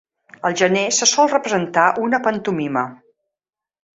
Al gener se sol representar una pantomima.